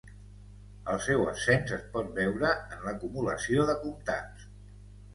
El seu ascens es pot veure en l'acumulació de comtats.